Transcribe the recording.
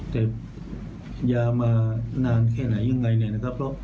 เจ็บยามานานแค่ไหนยังไงนะครับ